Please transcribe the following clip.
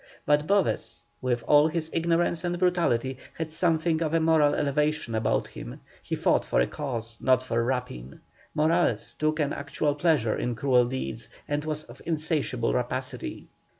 But Boves, with all his ignorance and brutality, had something of moral elevation about him: he fought for a cause, not for rapine. Morales took an actual pleasure in cruel deeds, and was of insatiable rapacity.